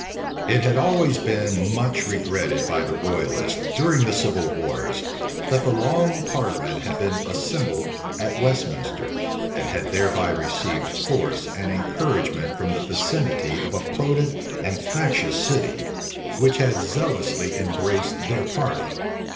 It had always been much regretted by the royalists, during the civil wars, that the long parliament had been assembled at Westminster, and had thereby received force and encouragement from the vicinity of a potent and factious city, which had zealously embraced their party.